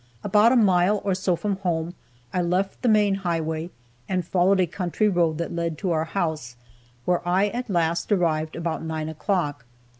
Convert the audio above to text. About a mile or so from home, I left the main highway, and followed a country road that led to our house, where I at last arrived about nine o'clock.